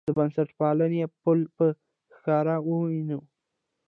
د بنسټپالنې پل په ښکاره ووینو.